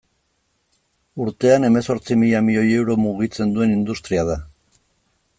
Urtean hemezortzi mila milioi euro mugitzen duen industria da.